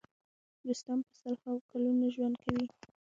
رستم په سل هاوو کلونه ژوند کوي.